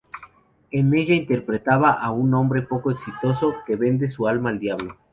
En ella interpreta a un hombre poco exitoso que vende su alma al diablo.